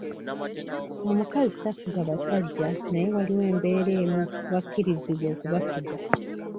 Omukazi tafuga basajja naye waliwo embeera emu w’akkiririzibwa okubafuga.